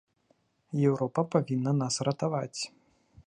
Еўропа павінна нас ратаваць.